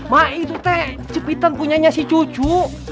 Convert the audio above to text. mak itu teh cepitan punyanya si cucu